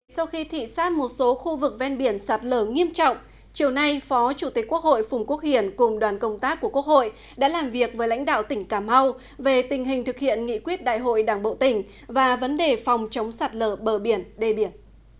sau khi thị sát một số khu vực ven biển sạt lở nghiêm trọng chiều nay phó chủ tịch quốc hội phùng quốc hiển cùng đoàn công tác của quốc hội đã làm việc với lãnh đạo tỉnh cà mau về tình hình thực hiện nghị quyết đại hội đảng bộ tỉnh và vấn đề phòng chống sạt lở bờ biển đê biển